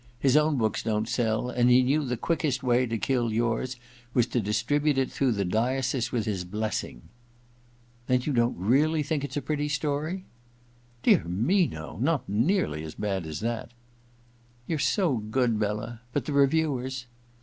His own books don't sell, and he knew the quickest way to kill yours was to distribute it through the diocese with his blessing.' * Then you don't really think it's a pretty story ?'* Dear me, no ! Not nearly as bad as that '* You're so good, Bella — but the reviewers